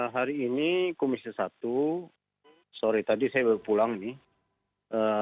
hari ini komisi satu sorry tadi saya pulang nih